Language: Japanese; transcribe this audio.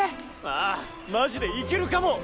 ああマジでイケるかも。